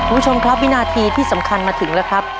คุณผู้ชมครับวินาทีที่สำคัญมาถึงแล้วครับ